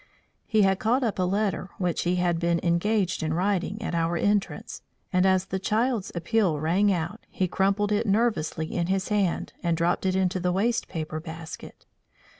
He had caught up a letter which he had been engaged in writing at our entrance, and as the child's appeal rang out, he crumpled it nervously in his hand, and dropped it into the waste paper basket.